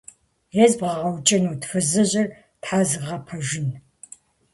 - ЕзбгъэгъэукӀынут фызыжьыр, Тхьэр зыгъэпэжын?!